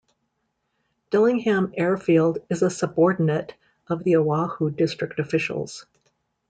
Dillingham Airfield is a subordinate of the Oahu District officials.